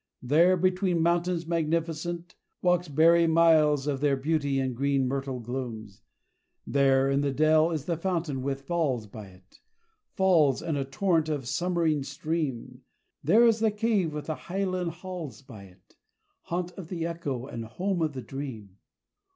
There, between mountains magnificent, walks bury Miles of their beauty in green myrtle glooms. There, in the dell, is the fountain with falls by it Falls, and a torrent of summering stream: There is the cave with the hyaline halls by it Haunt of the echo and home of the dream.